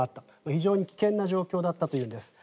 非常に危険な状態だったということです。